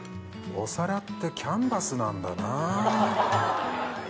お皿ってキャンバスなんだな。